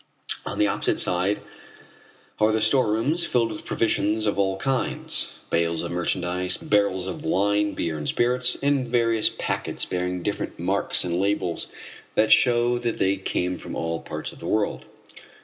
On the opposite side are the storerooms filled with provisions of all kinds, bales of merchandise, barrels of wine, beer, and spirits and various packets bearing different marks and labels that show that they came from all parts of the world.